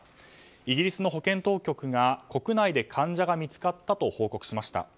イギリスの保健当局が国内で患者が見つかったと報告しました。